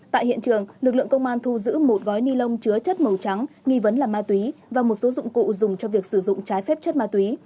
tại hiện trường lực lượng công an thu giữ một gói ni lông chứa chất màu trắng nghi vấn là ma túy và một số dụng cụ dùng cho việc sử dụng trái phép chất ma túy